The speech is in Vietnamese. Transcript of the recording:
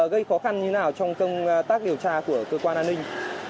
gây khó khăn như thế nào trong công tác điều tra của cơ quan an ninh